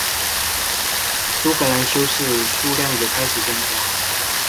苏格兰修士数量也开始增加。